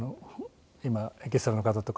今エキストラの方とか。